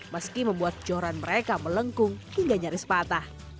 meski membuat joran mereka melengkung hingga nyaris patah